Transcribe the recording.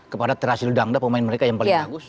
kepada terasil dangda pemain mereka yang paling bagus